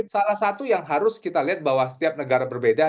salah satu yang harus kita lihat bahwa setiap negara berbeda